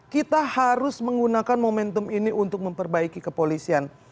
kita harus menggunakan momentum ini untuk memperbaiki kepolisian